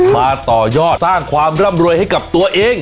มาต่อยอดสร้างความร่ำรวยให้กับตัวเอง